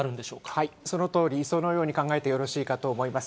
はい、そのとおり、そのように考えてよろしいかと思います。